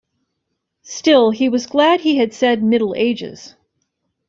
Still, he was glad he had said "Middle Ages."